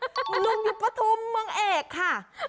คุณลุงอยู่ปฐุมเมืองเอกค่ะ